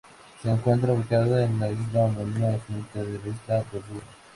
Se encuentra ubicada en la isla homónima, enfrente de la isla de Rügen.